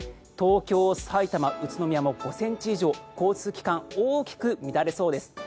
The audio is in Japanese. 東京、さいたま、宇都宮も５ｃｍ以上交通機関大きく乱れそうです。